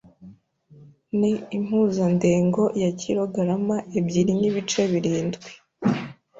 ni impuzandengo ya Kilogarama ebyiri nibice birindwi